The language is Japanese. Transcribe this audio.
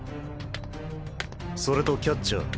それとキャッチャー。